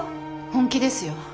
本気ですよ。